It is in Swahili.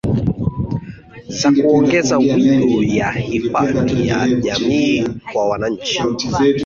za kuongeza wigo ya hifadhi ya jamii kwa wananchi